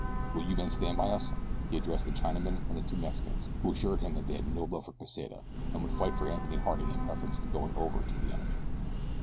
Will you men stand by us?" he addressed the Chinaman and the two Mexicans, who assured him that they had no love for Pesita and would fight for Anthony Harding in preference to going over to the enemy.